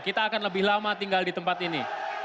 kita akan lebih lama tinggal di tempat ini